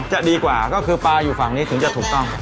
จะดีกว่าก็คือปลาอยู่ฝั่งนี้ถึงจะถูกต้อง